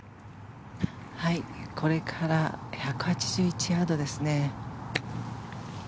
これから１８１ヤードですね。